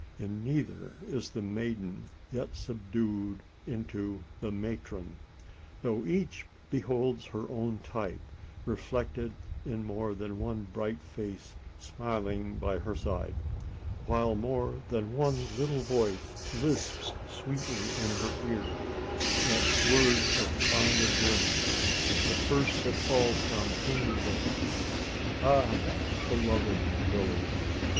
In neither is the maiden yet subdued into the matron though each beholds her own type reflected in more than one bright face smiling by her side; while more than one little voice lisps sweetly in her ear that word of fond endearment the first that falls from human lips. Ah! beloved Lilian!